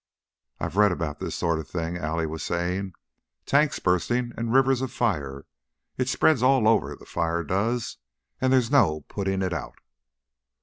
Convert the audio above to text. "I've read about this sort of thing," Allie was saying. "Tanks bursting and rivers afire. It spreads all over, the fire does, and there's no putting it out."